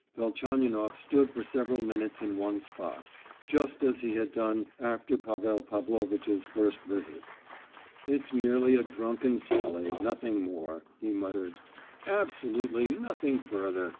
Velchaninoff stood for several minutes in one spot, just as he had done after Pavel Pavlovitch's first visit. "It's merely a drunken sally—nothing more!" he muttered. "Absolutely nothing further!"